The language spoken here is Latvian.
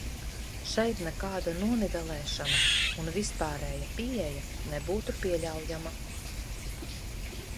Šeit nekāda nonivelēšana un vispārēja pieeja nebūtu pieļaujama.